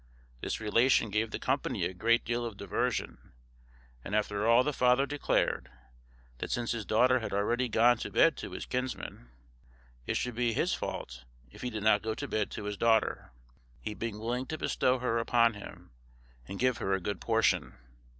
This relation gave the company a great deal diversion; and after all the father declared, that since his daughter had already gone to bed to his kinsman, it should be his fault if he did not go to bed to his daughter, he being willing to bestow her upon him, and give her a good portion.